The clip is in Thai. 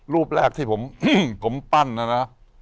รูปแรกที่ผมปั้นนะนะ